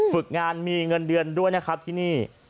ฝึกงานมีเงินเดือนด้วยนะครับที่นี่